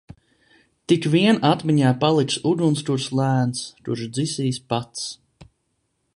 Tik vien atmiņā paliks ugunskurs lēns kurš dzisīs pats.